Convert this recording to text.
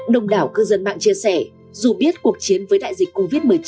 đồng đảo cư dân mạng chia sẻ dù biết cuộc chiến với đại dịch covid một mươi chín